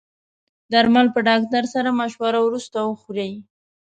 درمل په ډاکټر سره مشوره وروسته وخورئ.